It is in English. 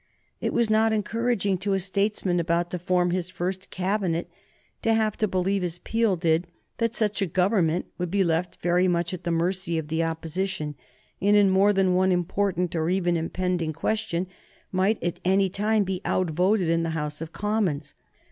It was not encouraging to a statesman about to form his first Cabinet to have to believe, as Peel did, that such a Government would be left very much at the mercy of the Opposition, and in more than one important or even impending question might at any time be outvoted in the House of Commons.